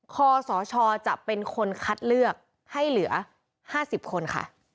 คศจะเป็นคนคัดเลือกให้เหลือ๕๐คนค่ะ